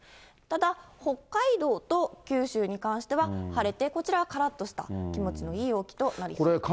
ただ、北海道と九州に関しては晴れて、こちらはからっとした気持ちのいい陽気となりそうです。